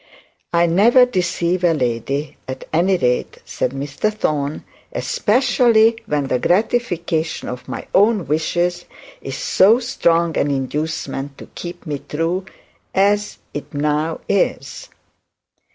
'I never deceive a lady, at any rate,' said Mr Thorne; 'especially when the gratification of my own wishes is so strong an inducement to keep me true, as it now is.'